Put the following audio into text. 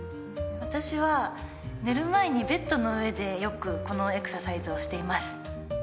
私は寝る前にベッドの上でよくこのエクササイズをしています。